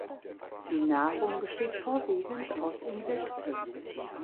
Die Nahrung besteht vorwiegend aus Insekten.